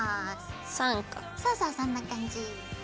そうそうそんな感じ。